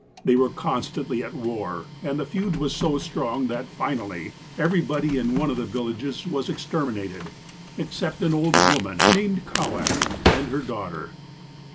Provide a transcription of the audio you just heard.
They were constantly at war, and the feud was so strong that, finally, everybody in one of the villages was extermi nated, except an old woman, named Kowak, and her daughter.